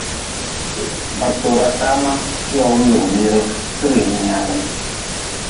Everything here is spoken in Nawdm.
Ba tora tama, bi logm lugʼbire, ti rim nyaalm.